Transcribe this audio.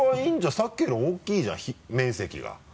さっきより大きいじゃん面積が。